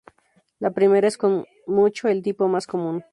La primera es con mucho el tipo más común.